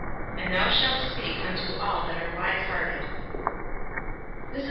And thou shalt speak unto all that are wise hearted " Mes.